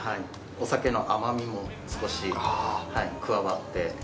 お酒の甘みも少し加わって。